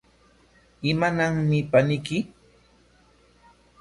¿Imananmi paniyki?